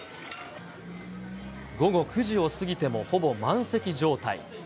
午後９時を過ぎてもほぼ満席状態。